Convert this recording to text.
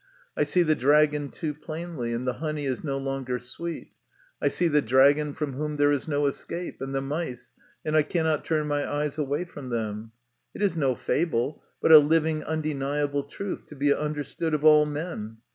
I see the dragon too plainly, and the honey is no longer sweet. I see the dragon, from whom there is no escape, and the mice, and I cannot turn my eyes away from them. It is no fable, but a living, undeniable truth, to be understood of all men.